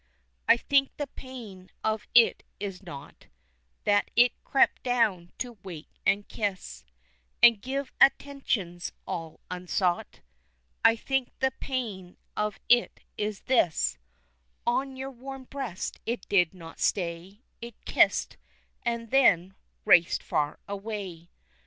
I think the pain of it is not That it crept down to wake and kiss, And give attentions all unsought, I think the pain of it is this: On your warm breast it did not stay, It kissed, and then raced far away.